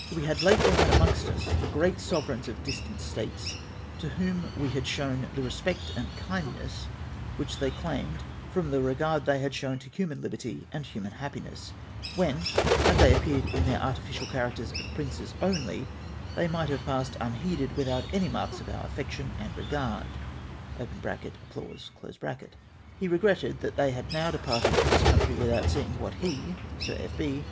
We had lately had amongst us the great sovereigns of distant states, to Avhom we had showji that respect and kindness which they claimed, from the regard they had shown to human liberty and human happiness ; when, had they appeared in their artificial characters of princes only, they might have passed imheeded without any marks of oiu affection and regard {applause). He regretted that they had now departed from this country witliout seeing what he (Sir F.